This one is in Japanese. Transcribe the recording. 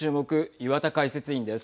岩田解説委員です。